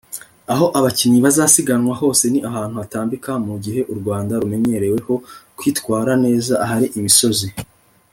Aho aba bakinnyi bazasiganwa hose ni ahantu hatambika mu gihe u Rwanda rumenyereweho kwitwara neza ahari imisozi